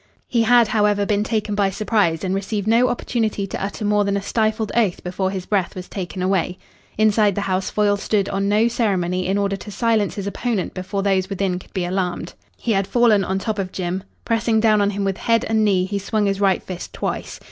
He had, however, been taken by surprise and received no opportunity to utter more than a stifled oath before his breath was taken away. Inside the house Foyle stood on no ceremony in order to silence his opponent before those within could be alarmed. He had fallen on top of Jim. Pressing down on him with head and knee, he swung his right fist twice.